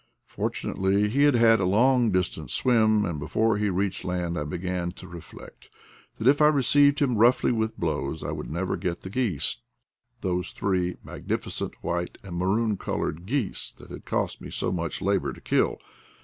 For tunately he had a long distance to swim, and be fore he reached land I began to reflect that if I received him roughly, with blows, I would never get the geese — those three magnificent white and maroon colored geese that had cost me so much labor to kill.